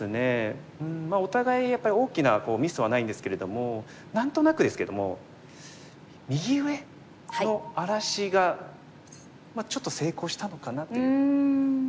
お互いやっぱり大きなミスはないんですけれども何となくですけれども右上の荒らしがちょっと成功したのかなという。